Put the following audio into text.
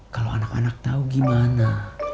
kalau anak anak tahu gimana